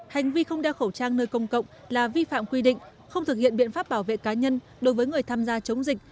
hành vi không đeo khẩu trang nơi công cộng là vi phạm quy định không thực hiện biện pháp bảo vệ cá nhân đối với người tham gia chống dịch